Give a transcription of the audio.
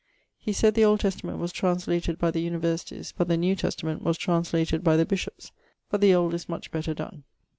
He sayd the Old Testament was translated by the Universities, but the New Testament was translated by the bishops; but the Old is much better donne.